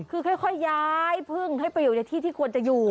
คือค่อยย้ายพึ่งให้ไปอยู่ในที่ที่ควรจะอยู่